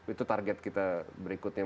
itu target kita berikutnya